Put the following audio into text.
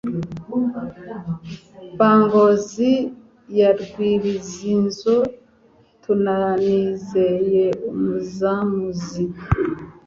Ba Ngozi ya RwibizinzoTunanizeye Umuzamuzi*.